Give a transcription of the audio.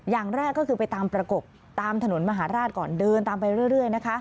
อย่างแรกก็คือไปตามประกบตามถนนมหาราชก่อนเดินตามไปเรื่อยนะคะ